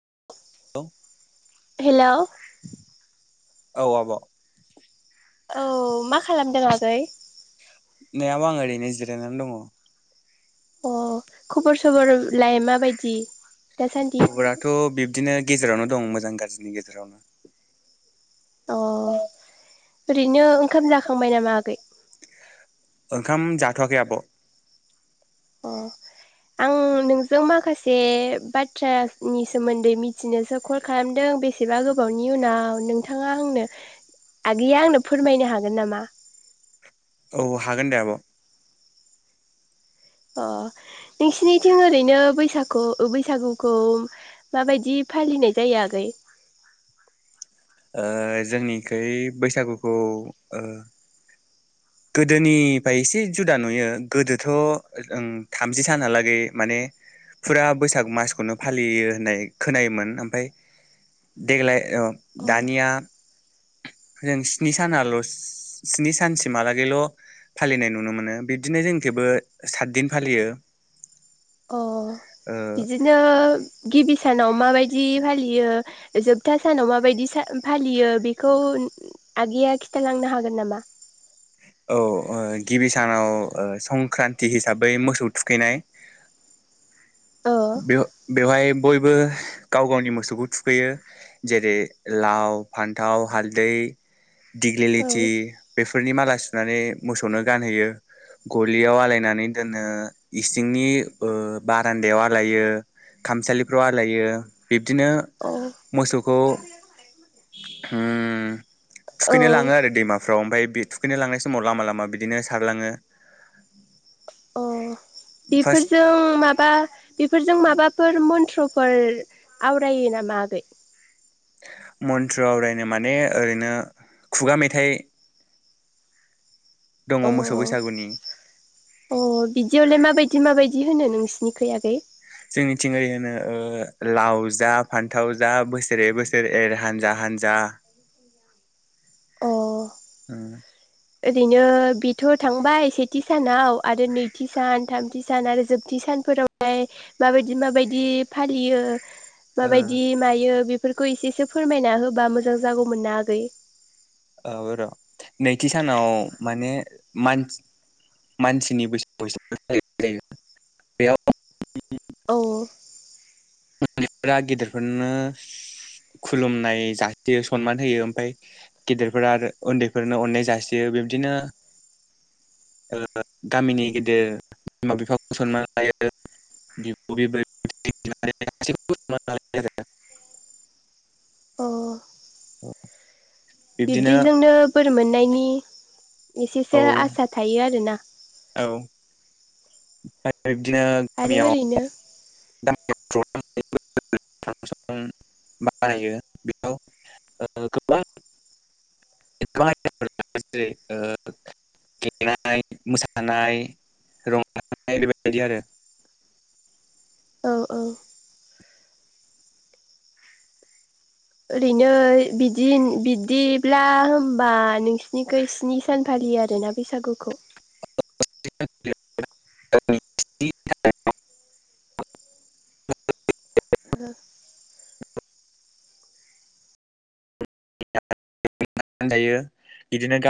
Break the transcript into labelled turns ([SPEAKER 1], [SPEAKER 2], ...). [SPEAKER 1] [inaudible]
[SPEAKER 2] [unintelligible]
[SPEAKER 1] Hello
[SPEAKER 2] औ आब'
[SPEAKER 1] औ मा खालामदों आगै
[SPEAKER 2] नै आं अब'आं ओरैनो जिरायनानै दंङ
[SPEAKER 1] अ' खबर सबर लाय मा बायदि
[SPEAKER 2] खबराथ' बिब्दिनो गेजेरावनो दं मोजां गा जरि गेजेरावनो
[SPEAKER 1] अ ओरैनो ओंखाम जाखांबाय नामा आगै
[SPEAKER 2] ओंखाम जाथ'वाखै आब'
[SPEAKER 1] अ आं नोंजों माखासे बाथ्रानि सोमोन्दै मिथिनोसो कल खालामदों बेसेबा गोबावनि उनाव नोंथाङा आंनो आगैया आंनो फोरमायनो हागोन नामा
[SPEAKER 2] औ हागोन दे आब'
[SPEAKER 1] ओ नोंसिनिथिं ओरैनो बैसागखो बैसागुखौ माबायदि फालिनाय जायो आगै
[SPEAKER 2] ओ जोंनिखै बैसागुखौ ओ गोदोनिफ्राय एसे जुदा नुयो, गोदोथ' ओ थामजि सानहालागै माने फुरा बैसाग मासखौनो फालियो होननाय खोनायोमोन। ओमफ्राय देग्लाय अ' दानिया जों स्नि सानाल' स्नि सानसिमहालागैल' फालिनाय नुनो मोनो। बिब्दिनो जोंथिंबो सातदिन फालियो
[SPEAKER 1] अ'
[SPEAKER 2] ओ
[SPEAKER 1] बिदिनो गिबि सानाव माबायदि फालियो, जोबथा सानाव सा माबायदि फालियो बेखौ आगैया खिन्थालांनो हागोन नामा?
[SPEAKER 2] औ ओ गिबि सानाव संक्रान्ति हिसाबै मोसौ थुखैनाय
[SPEAKER 1] औ
[SPEAKER 2] बेव बेवहाय बयबो गाव गावनि मोसौखौ थुखैयो जेरै - लाव, फान्थाव, हालदै,,,
[SPEAKER 1] औ
[SPEAKER 2] दिग्रिलिथि बेफोरनि माला सुनानै मोसौनो गानहैयो, गलियाव आलायनानै दोनो, इसिंनि ओ बारान्दायाव,,, आलायो, खामसालिफ्राव आलायो बिब्दिनो
[SPEAKER 1] औ
[SPEAKER 2] मोसौखौ,, उम
[SPEAKER 1] औ
[SPEAKER 2] थुखैनो लाङो आरो दैमाफ्राव ओमफफ्राय बे थुखैनो लांनाय समाव लामा, लामा बिदिनो सारलाङो।
[SPEAKER 1] औ
[SPEAKER 2] फार्स्ट
[SPEAKER 1] बेफोरजों माबा, बेफोरजों माबा बेफोर मन्त्रफोर आवरायो नामा आ बेै?
[SPEAKER 2] मन्त्र आवरायनो माने ओरैनो खुगा मेथाइ दङ
[SPEAKER 1] अ
[SPEAKER 2] मोसौ बैसागुनि।
[SPEAKER 1] अ' बिदियावलाय माबायदि- माबायदि होनो नोंसिनिखै आगै?
[SPEAKER 2] जोंनिथिंहाय होनो लाव जा, फान्थाव जा बोसोरे- बोसोरे एर हानजा - हानजा
[SPEAKER 1] अ ओरैनो बेथ' थांबाय सेथि सानाव आरो नैथि सान, थामथि सान आरो जोबथि सानफोरावहाय माबायदि माबायदि फालियो? माबायदि मायो बे बेफोरखौ इसेसो फोरमायना होबा मोजां जागौमोनना आगै।
[SPEAKER 2] औ र' नैथि सानाव माने मानसि मानसिनि बैसागु बुंनाय जायो बेयाव
[SPEAKER 1] औ
[SPEAKER 2] उन्दफोरा गेदिरफोरनो खुलुमनाय जासियो सनमान होयो ओमफ्राय गेदेरफोरा उन्दैफोरनो अननाय जासियो बिब्दिनो गामिनि गेदेर बिमा-बिफाखौ सनमान लायो बिब' बिब्दिनो
[SPEAKER 1] बिदिजोंनो मोननायनि
[SPEAKER 2] औ
[SPEAKER 1] एसेसो आसा थायो आर ना
[SPEAKER 2] औ। ब [inaudible] ओमफ्राय बिबदिनो
[SPEAKER 1] आरो
[SPEAKER 2] गामियाव।
[SPEAKER 1] ओरैनो
[SPEAKER 2] बानायो बेयाव गोबां गोबां जेरै गेलेनाय मोसानाय रंजानाय बेबायदि आरो।
[SPEAKER 1] औ औ। ओरैनो बिदि बिदिब्ला होमब्ला नोंसिनिथिं स्नि सान फालियो आरोना बैसागुखौ।
[SPEAKER 2] [inaudible]
[SPEAKER 1] नंगौ।
[SPEAKER 2] बिदिनो गामि।